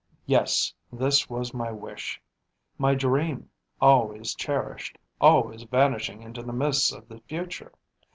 Yes, this was my wish, my dream, always cherished, always vanishing into the mists of the future.